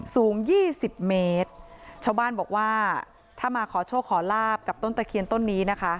สูงยี่สิบเมตรชาวบ้านบอกว่าถ้ามาขอโชคขอลาบกับต้นตะเคียนต้นนี้นะคะ